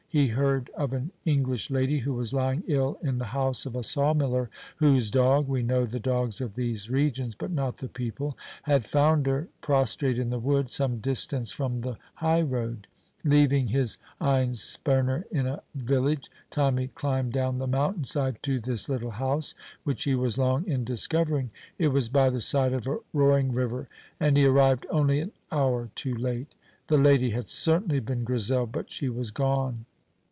He heard of an English lady who was lying ill in the house of a sawmiller, whose dog (we know the dogs of these regions, but not the people) had found her prostrate in the wood, some distance from the highroad. Leaving his einspänner in a village, Tommy climbed down the mountain side to this little house, which he was long in discovering. It was by the side of a roaring river, and he arrived only an hour too late. The lady had certainly been Grizel; but she was gone.